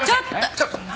ちょっと！